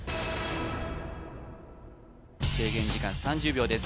制限時間３０秒です